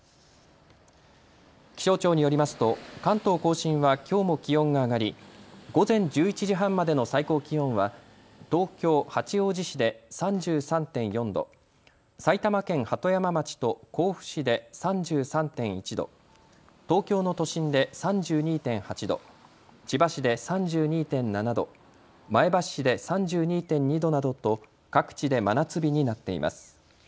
気象庁によりますと関東甲信はきょうも気温が上がり午前１１時半までの最高気温は東京八王子市で３３．４度、埼玉県鳩山町と甲府市で３３．１度、東京の都心で３２．８度、千葉市で３２．７度、前橋市で３２．２度などと各地で真夏日になっています。